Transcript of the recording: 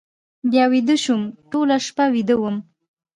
بیا ویده شوم، ټوله شپه ویده وم.